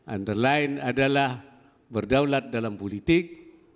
antara lain adalah berdaulat dalam politik